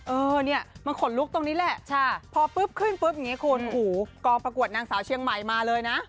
เออเนี่ยมันขนลุกตรงนี้แหละพอปุ๊บขึ้นปุ๊บอย่างนี้คุณหูกองประกวดนางสาวเชียงใหม่มาเลยนะ